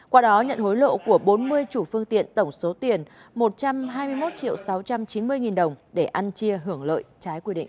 qua đó nhận hối lộ của bốn mươi chủ phương tiện tổng số tiền một trăm hai mươi một sáu trăm chín mươi nghìn đồng để ăn chia hưởng lợi trái quy định